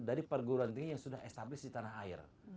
dari perguruan tinggi yang sudah establis di tanah air